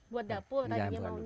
buat dapur tadi maunya